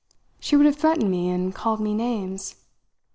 She would have threatened me and called me names.